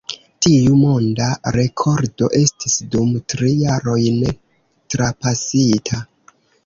Tiu monda rekordo estis dum tri jaroj ne trapasita.